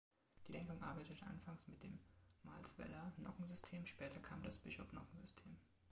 Die Lenkung arbeitete anfangs mit dem "Marles-Weller"-Nockensystem, später kam das "Bishop"-Nockensystem.